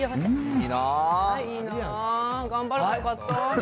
いいなあ、頑張ればよかった。